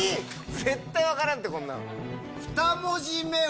絶対分からんってこんなん。